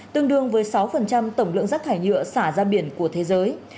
tương đương với sáu tổng lượng rác thải nhựa xả ra biển của thế giới